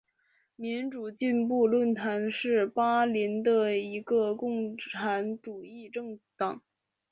民主进步论坛是巴林的一个共产主义政党。